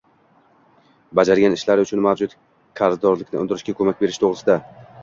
bajargan ishlari uchun mavjud karzdorlikni undirishga ko‘mak berish to‘g‘risida.